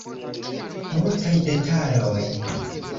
Multaj detaloj.